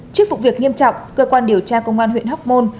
trước vụ việc nghiêm trọng cơ quan điều tra công an huyện hóc môn